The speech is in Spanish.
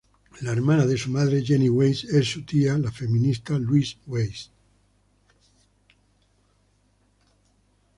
La hermana de su madre Jenny Weiss, es su tía la feminista Louise Weiss.